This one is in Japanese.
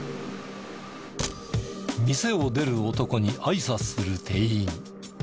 店を出る男にあいさつする店員。